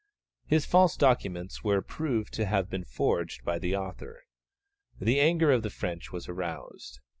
His false documents were proved to have been forged by the author. The anger of the French was aroused.